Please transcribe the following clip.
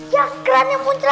jah keran yang muncrat